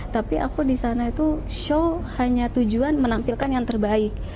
tapi aku di sana itu show hanya tujuan menampilkan yang terbaik